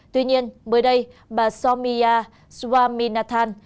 tuy nhiên bữa đây bà soumya swaminathan